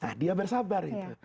nah dia bersabar itu